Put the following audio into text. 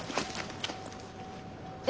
え？